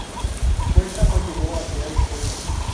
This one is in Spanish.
Cuesta no llegó a crear escuela.